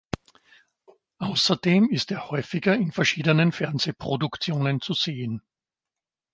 Außerdem ist er häufiger in verschiedenen Fernsehproduktionen zu sehen.